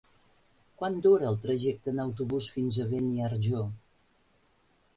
Quant dura el trajecte en autobús fins a Beniarjó?